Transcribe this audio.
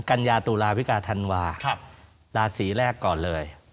กัญญาตุลาวิกาธันวาราศีแรกก่อนเลย